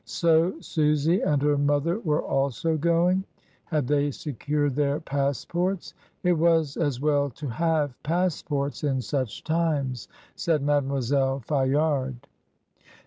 "So Susy and her mother were also going? Had they secured their passports? It was as well to have passports in such times," said Mademoiselle Fayard.